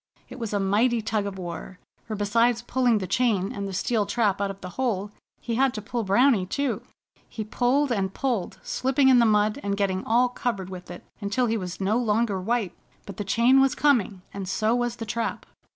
It was a mighty tug of war, for besides pulling the chain and steel trap out of the hole he had to pull Browny, too. He pulled and pulled, slipping in the mud, and getting all covered with it until he was no longer white. But the chain was coming, and so was the trap.